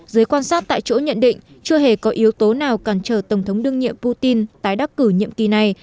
giới quan sát tại chỗ nhận định chưa hề có yếu tố nào cản trở tổng thống đương nhiệm putin tái đắc cử nhiệm kỳ này